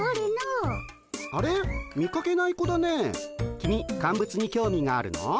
君乾物に興味があるの？